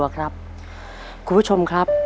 คุณผู้ชมครับ